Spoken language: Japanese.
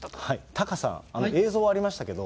タカさん、映像ありましたけれども。